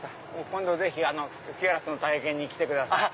今度ぜひ吹きガラスの体験に来てください。